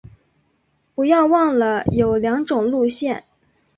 不要忘了有两种路线